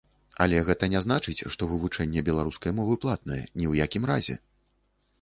Але гэта не значыць, што вывучэнне беларускай мовы платнае, ні ў якім разе!